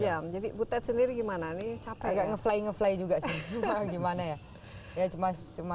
sepuluh jam jadi butet sendiri gimana nih capek nge fly nge fly juga gimana ya ya cuma cuma